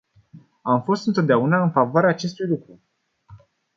Am fost întotdeauna în favoarea acestui lucru.